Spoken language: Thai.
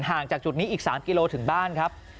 จากจุดนี้อีก๓กิโลถึงบ้านครับ